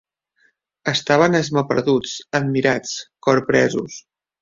Estaven esmaperduts, admirats, corpresos